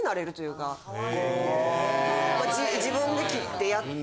・へぇ・自分で切ってやって。